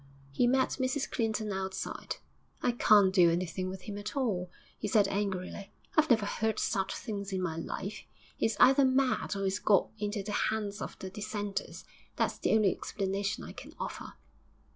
He met Mrs Clinton outside. 'I can't do anything with him at all,' he said angrily. 'I've never heard such things in my life. He's either mad or he's got into the hands of the Dissenters. That's the only explanation I can offer.'